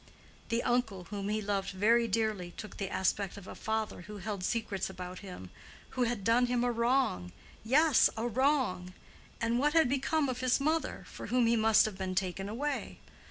The uncle whom he loved very dearly took the aspect of a father who held secrets about him—who had done him a wrong—yes, a wrong: and what had become of his mother, for whom he must have been taken away?